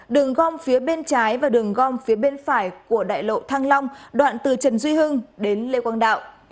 đường gom phía bên trái và đường gom phía bên phải của đại lộ thăng long đoạn từ trần duy hưng đến lê quang đạo